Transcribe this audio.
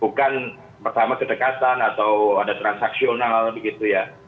bukan pertama kedekatan atau ada transaksional begitu ya